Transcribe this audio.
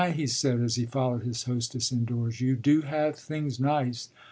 ” he said, as he followed his hostess indoors, “you do have things nice.